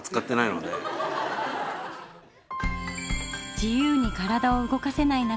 自由に体を動かせない中